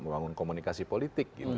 membangun komunikasi politik